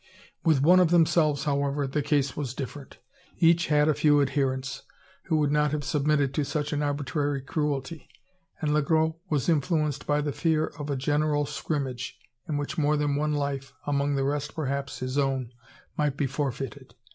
With one of themselves, however, the case was different. Each had a few adherents, who would not have submitted to such an arbitrary cruelty; and Le Gros was influenced by the fear of a general "skrimmage," in which more than one life, among the rest perhaps his own, might be forfeited.